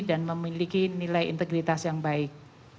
dan memiliki nilai integritas yang baik